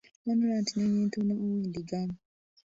Honorat Nnyonyintono ow'Endiga.